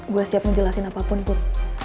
gue siap ngejelasin apapun put